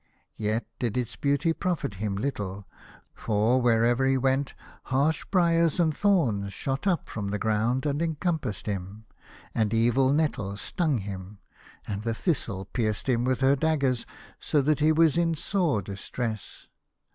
Yet did its beauty profit him little, for wherever he went harsh briars and thorns shot up from the ground and encompassed him, and evil nettles stung him, and the thistle pierced him with her daggers, so that he was in sore distress.